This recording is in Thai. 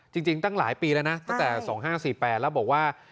จริงตั้งหลายปีแล้วนะตั้งแต่๒๕๔๘แล้วบอกว่า